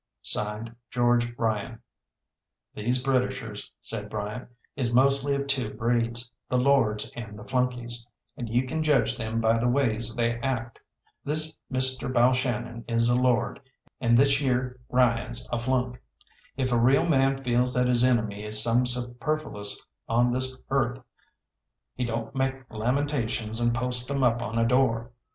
"'(Sd.) GEORGE RYAN.' "These Britishers," said Bryant, "is mostly of two breeds the lords and the flunkeys; and you kin judge them by the ways they act. This Mr. Balshannon is a lord, and thish yer Ryan's a flunk. If a real man feels that his enemy is some superfluous on this earth, he don't make lamentations and post 'em up on a door.